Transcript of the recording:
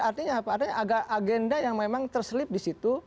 artinya apa ada agenda yang memang terselip di situ